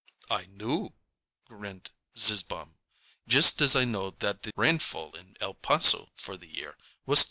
"I knew," grinned Zizzbaum, "just as I know that the rainfall in El Paso for the year was 28.